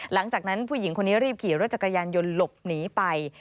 หลังจากนั้นผู้หญิงคนนี้รีบขี่รถจักรยานยนต์หลบหนีไป